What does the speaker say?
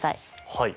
はい。